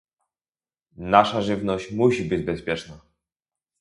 Nasza żywność musi być bezpieczna